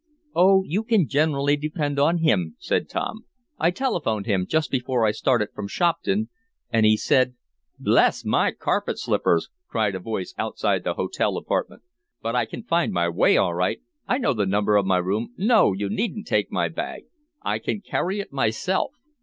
"Oh, you can generally depend on him," said Tom. "I telephoned him, just before I started from Shopton, and he said " "Bless my carpet slippers!" cried a voice outside the hotel apartment. "But I can find my way all right. I know the number of the room. No! you needn't take my bag. I can carry it my self!"